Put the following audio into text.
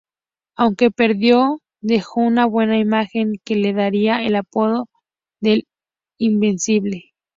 Aunque perdió, dejo una buena imagen que le daría el apodo de "el invencible".